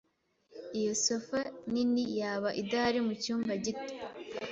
Iyi sofa nini yaba idahari mucyumba gito.